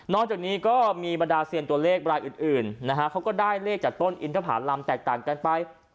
จากนี้ก็มีบรรดาเซียนตัวเลขรายอื่นนะฮะเขาก็ได้เลขจากต้นอินทภารำแตกต่างกันไป